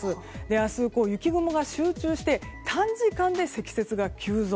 明日、雪雲が集中して短時間で積雪が急増。